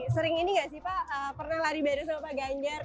sering ini nggak sih pak pernah lari bareng sama pak ganjar